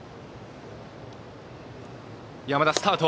山田、スタート。